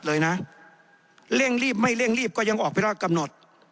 เลยนะเร่งรีบไม่เร่งรีบก็ยังออกไปรอดกำหนด